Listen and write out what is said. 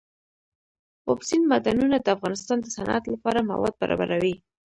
اوبزین معدنونه د افغانستان د صنعت لپاره مواد برابروي.